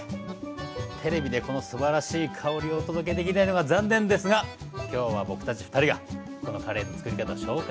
テレビでこのすばらしい香りをお届けできないのが残念ですがきょうは僕たち２人がこのカレーのつくり方を紹介。